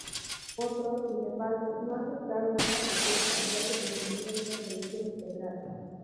Otros, sin embargo, no aceptaron esa propuesta, ya que pretendían una solución integral.